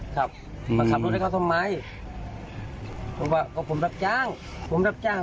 ครับมาขับรถให้เขาทำไมผมว่าก็ผมรับจ้างผมรับจ้าง